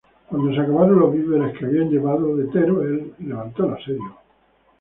Cuando acabarse los víveres que habían llegado de Teruel, levantó el asedio.